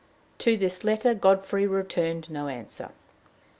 To this letter Godfrey returned no answer.